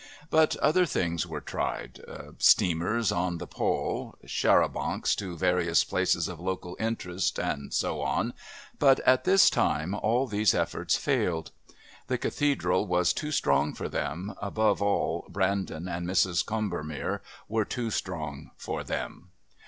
But other things were tried steamers on the Pol, char à bancs to various places of local interest, and so on but, at this time, all these efforts failed. The Cathedral was too strong for them, above all Brandon and Mrs. Combermere were too strong for them.